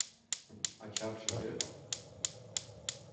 — Ачатше кӧ?